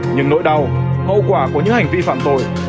nhưng nỗi đau hậu quả của những hành vi phạm tội